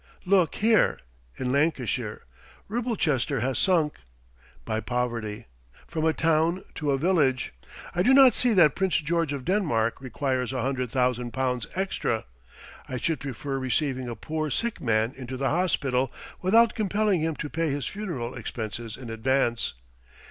Look here! in Lancashire, Ribblechester has sunk, by poverty, from a town to a village. I do not see that Prince George of Denmark requires a hundred thousand pounds extra. I should prefer receiving a poor sick man into the hospital, without compelling him to pay his funeral expenses in advance.